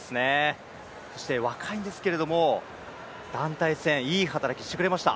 そして若いんですけれども団体戦、いい働きしてくれました。